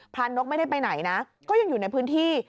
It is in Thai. นกไม่ได้ไปไหนนะก็ยังอยู่ในพื้นที่